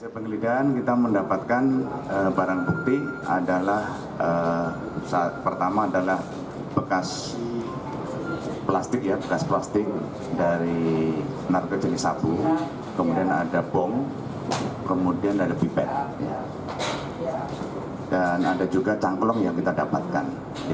pertama adalah bekas plastik dari narkojenis sabu kemudian ada bom kemudian ada pipet dan ada juga cangklong yang kita dapatkan